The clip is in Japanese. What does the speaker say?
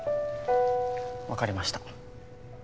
わかりました。